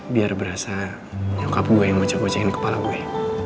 biar berasa nyokap gue yang mau ucek ucekin kepala gue